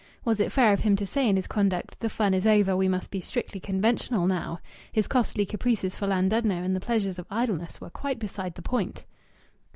Was it fair of him to say in his conduct: "The fun is over. We must be strictly conventional now"? His costly caprices for Llandudno and the pleasures of idleness were quite beside the point.